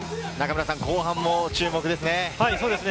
後半も注目ですね。